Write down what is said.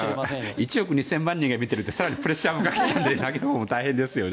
１億２０００万人が見ているって更にプレッシャーもかかるので大変ですよね。